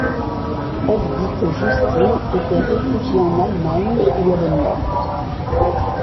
Elle dit que Justine était réfugiée en Allemagne où elle est morte.